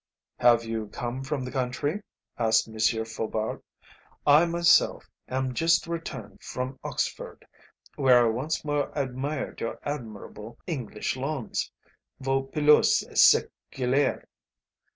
"Have you come from the country?" asked M. Faubourg. "I myself am just returned from Oxford, where I once more admired your admirable English lawns vos pelouses seculaires."